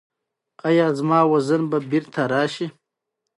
ایا زما وزن به بیرته راشي؟